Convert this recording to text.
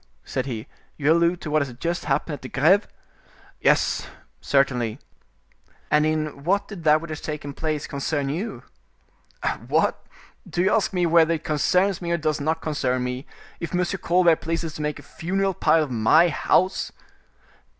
said he, "you allude to what has just happened at the Greve?" "Yes, certainly." "And in what did that which has taken place concern you?" "What! do you ask me whether it concerns me or does not concern me, if M. Colbert pleases to make a funeral pile of my house?"